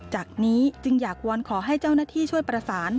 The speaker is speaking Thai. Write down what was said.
จากนี้จึงอยากวอนขอให้เจ้าหน้าที่ช่วยประสาน